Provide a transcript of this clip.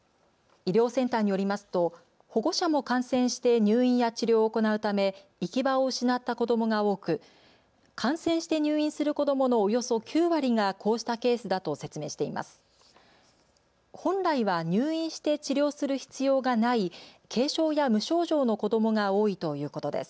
医療センターによりますと保護者も感染して入院や治療を行うため行き場を失った子どもが多く、感染して入院する子どものおよそ９割がこうしたケースだと説明しています。